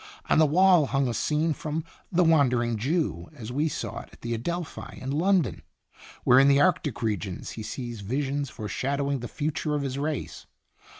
On the wall hung a scene from " The Wandering Jew," as we saw it at the Adelphi, in London, where in the Arctic regions he sees visions foreshadowing the future of his race.